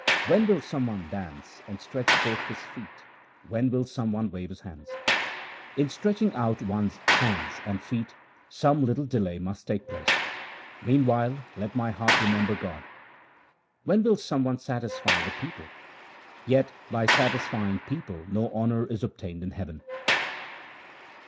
When will some one dance and stretch forth his feet ? when will some one wave his hands ? In stretching out one's hands and feet some little delay must take place ; meanwhile let my heart remember God. When will some one satisfy the people ? Yet by satis fying people no honour is obtained in heaven.